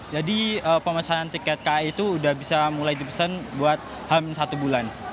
jadi pemasangan tiket kai itu udah bisa mulai dipesan buat hamil satu bulan